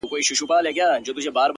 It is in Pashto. • په وينو لژنده اغيار وچاته څه وركوي،